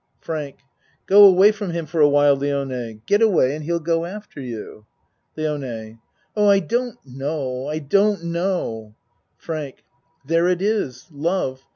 FRANK Go away from him for awhile, Lione, get away and he'll go after you. LIONE Oh, I don't know. I don't know. FRANK There it is! Love!